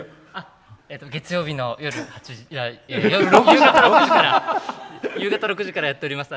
月曜日の夕方６時からやっております。